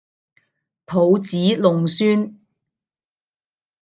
抱子弄孫